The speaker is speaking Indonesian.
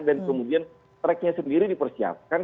dan kemudian tracknya sendiri dipersiapkan